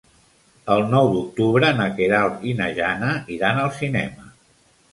El nou d'octubre na Queralt i na Jana iran al cinema.